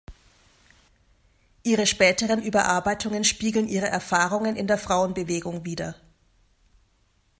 Ihre späteren Überarbeitungen spiegeln ihre Erfahrungen in der Frauenbewegung wider.